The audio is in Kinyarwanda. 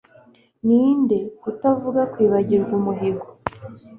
Ninde, kutavuga kwibagirwa umuhigo,